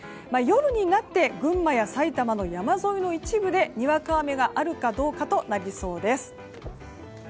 夜になって群馬や埼玉の山沿いの一部でにわか雨があるかどうかとなりそうです。